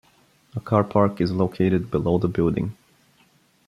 A car park is located below the building.